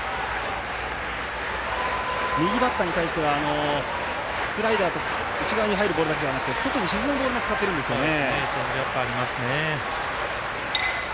右バッターに対してはスライダー内側に入るボールだけでなく外に沈むボールも使っているんですよね。